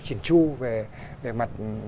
triển tru về mặt